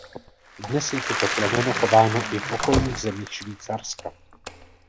Dnes je toto plemeno chováno i v okolních zemích Švýcarska.